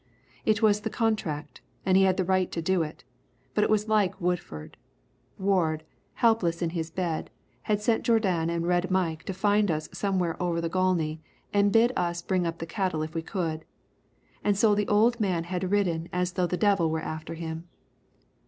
It was the contract, and he had the right to do it, but it was like Woodford. Ward, helpless in his bed, had sent Jourdan on Red Mike to find us somewhere over the Gauley and bid us bring up the cattle if we could. And so the old man had ridden as though the devil were after him.